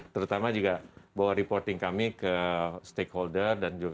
terutama juga bahwa reporting kami ke stakeholder dan juga